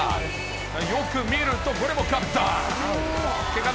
よく見ると、これもだーん。